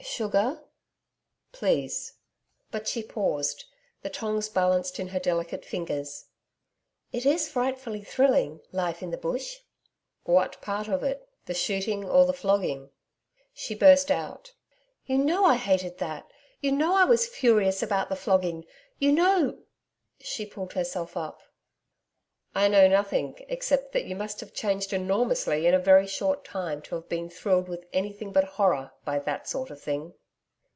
'Sugar?' 'Please.' But she paused, the tongs balanced in her delicate fingers. 'It is frightfully thrilling life in the Bush.' 'What part of it? The shooting or the flogging?' She burst out: 'You know I hated that. You know I was furious about the flogging. You know' She pulled herself up. 'I know nothing except that you must have changed enormously in a very short time to have been thrilled with anything but horror by that sort of thing.'